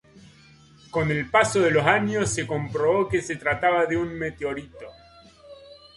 Con el paso de los años se comprobó que se trataba de un meteorito.